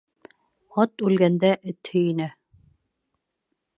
Ат үлгәндә эт һөйөнә.